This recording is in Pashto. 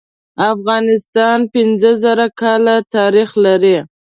افغانستان پینځه زره کاله تاریخ لري.